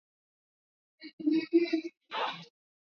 Hata hivyo, uhaba huo wa mafuta bado unaendelea.